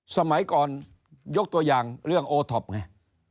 สมัยก่อนยกตัวอย่างเรื่องโอท็อปไง